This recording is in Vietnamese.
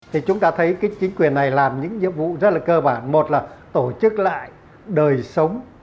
thì chúng ta thấy chính quyền này làm những nhiệm vụ rất là cơ bản một là tổ chức lại đời sống